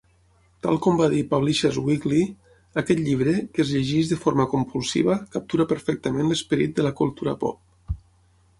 Tal com va dir "Publisher's Weekly", "Aquest llibre, que es llegeix de forma compulsiva, captura perfectament l'esperit de la cultura pop".